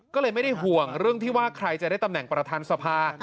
ก็เลยไม่ได้ห่วงเรื่องที่ว่าใครจะได้ตำแหน่งประธานสภา